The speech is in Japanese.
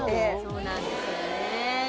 そうなんですよね。